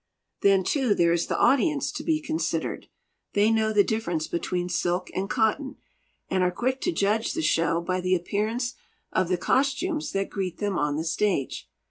Then, too, there is the audience to be considered. They know the difference between silk and cotton, and are quick to judge the show by the appearance of the costumes that greet them on the stage.